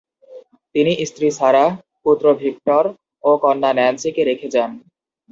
তিনি স্ত্রী সারাহ, পুত্র ভিক্টর ও কন্যা ন্যান্সিকে রেখে যান।